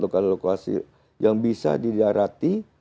lokal lokasi yang bisa didiareti